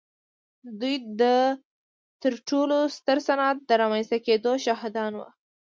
دوی د تر ټولو ستر صنعت د رامنځته کېدو شاهدان وو.